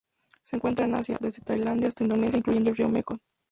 Se encuentran en Asia: desde Tailandia hasta Indonesia, incluyendo el río Mekong.